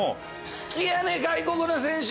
好きやね外国の選手。